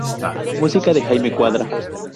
Música de Jaime Cuadra